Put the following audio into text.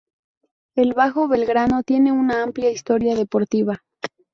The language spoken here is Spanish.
El Bajo Belgrano tiene una amplia historia deportiva.